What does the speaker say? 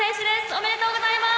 おめでとうございます。